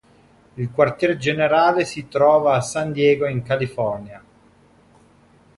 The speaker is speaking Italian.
Il quartier generale si trova a San Diego in California.